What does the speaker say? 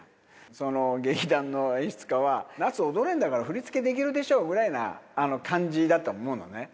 その劇団の演出家は、夏、踊れるんだから、振り付けできるでしょぐらいな感じだと思うのね。